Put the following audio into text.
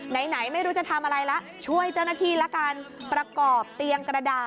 นี่ดูสิคะ